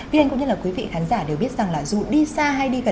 viên anh cũng như là quý vị khán giả đều biết rằng là dù đi xa hay đi gần